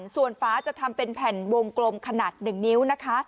ส่วนฟ้าจะทำเป็นแผ่นวงกลมขนาด๑นิ้วนะคะ